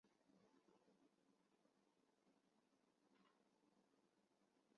巨突顶冠节蜱为节蜱科顶冠节蜱属下的一个种。